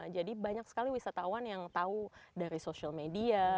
jadi banyak sekali wisatawan yang tahu dari social media